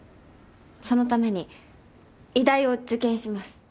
そのために医大を受験します。